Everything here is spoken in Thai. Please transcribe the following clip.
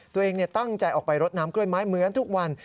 ตัวเองตั้งใจออกไปรดน้ำกล้วยไม้เหมือนทุกวัน